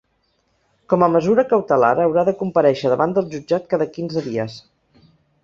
Com a mesura cautelar haurà de comparèixer davant del jutjat cada quinze dies.